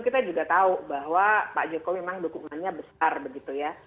kita juga tahu bahwa pak jokowi memang dukungannya besar begitu ya